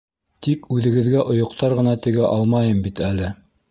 Тикүҙегеҙгә ойоҡтар ғына тегә алмайым бит әле.